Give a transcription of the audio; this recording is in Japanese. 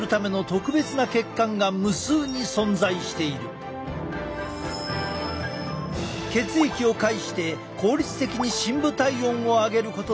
実は血液を介して効率的に深部体温を上げることで発汗を促進。